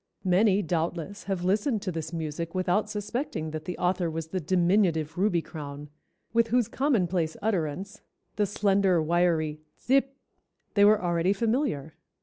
Many doubtless, have listened to this music without suspecting that the author was the diminutive Ruby crown, with whose commonplace utterance, the slender, wiry 'tsip,' they were already familiar.